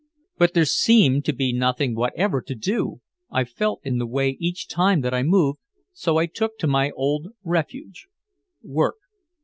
But there seemed to be nothing whatever to do, I felt in the way each time that I moved, so I took to my old refuge, work.